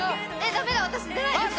ダメだ私出ないです